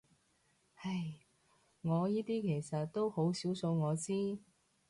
唉，我依啲其實到好少數我知